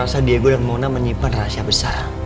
rasa diego dan mona menyimpan rahasia besar